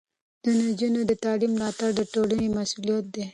د نجونو د تعلیم ملاتړ د ټولنې مسؤلیت دی.